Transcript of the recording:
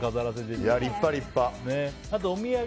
立派、立派。